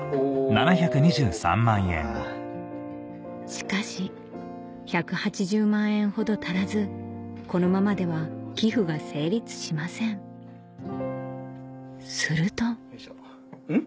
しかし１８０万円ほど足らずこのままでは寄付が成立しませんするとん？